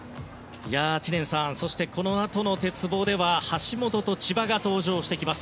知念さんそして、このあとの鉄棒では橋本と千葉が登場してきます。